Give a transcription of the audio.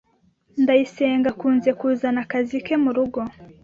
Ndayisenga akunze kuzana akazi ke murugo.